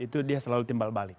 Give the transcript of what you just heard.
itu dia selalu timbal balik